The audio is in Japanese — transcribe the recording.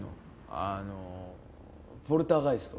あのポルターガイスト？